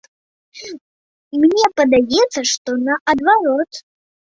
Мне падаецца, што наадварот.